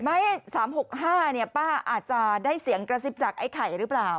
๓๖๕ป้าอาจจะได้เสียงกระซิบจากไอ้ไข่หรือเปล่า